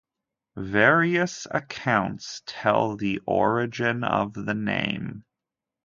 Various accounts tell the origin of the name.